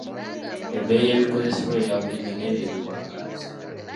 Ebbeeyi y’ebikozesebwa ebyabulijjo n’ebyo ebiwangaazi.